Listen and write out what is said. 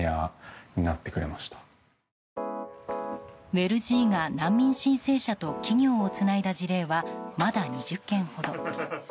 ＷＥＬｇｅｅが難民申請者と企業をつないだ事例はまだ２０件ほど。